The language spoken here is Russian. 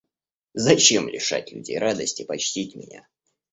Зачем лишать людей радости почтить меня?